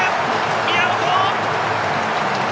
宮本！